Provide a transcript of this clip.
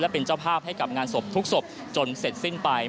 เป็นเจ้าภาพให้กับงานศพทุกศพจนเสร็จสิ้นไป